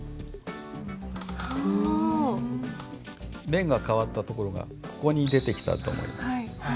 面が変わったところがここに出てきたと思います。